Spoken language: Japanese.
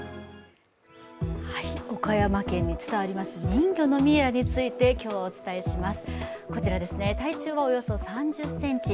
岡山県に伝わります人魚のミイラについいて今日はお伝えします。